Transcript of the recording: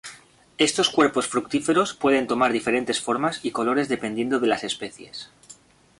Estos cuerpos fructíferos pueden tomar diferentes formas y colores dependiendo de las especies.